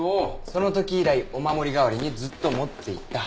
その時以来お守り代わりにずっと持っていた。